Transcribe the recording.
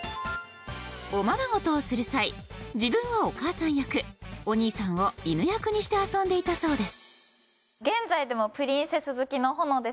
おままごとをする際自分はお母さん役お兄さんを犬役にして遊んでいたそうです